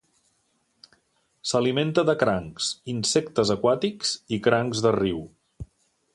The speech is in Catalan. S'alimenta de crancs, insectes aquàtics i crancs de riu.